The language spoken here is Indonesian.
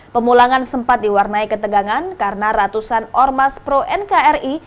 pemulangan sempat diwarnai ketegangan karena ratusan ormas pro nkri